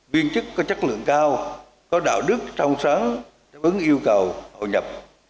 viên chức có chất lượng cao có đạo đức trong sáng đáp ứng yêu cầu hội nhập